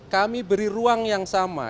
kami beri ruang yang sama